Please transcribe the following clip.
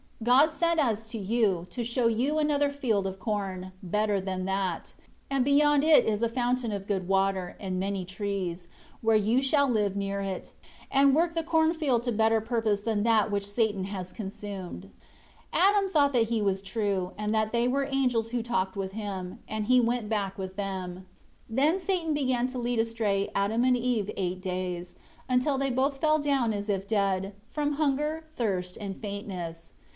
God sent us to you, to show you another field of corn, better than that; and beyond it is a fountain of good water, and many trees, where you shall live near it, and work the corn field to better purpose than that which Satan has consumed." 11 Adam thought that he was true, and that they were angels who talked with him; and he went back with them. 12 Then Satan began to lead astray Adam and Eve eight days, until they both fell down as if dead, from hunger, thirst, and faintness.